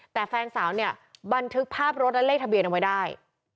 แต่แฟนสาวเนี่ยบันทึกภาพรถและเลขทะเบียนเอาไว้ได้